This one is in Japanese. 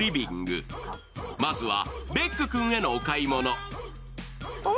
まずはベック君へのお買い物。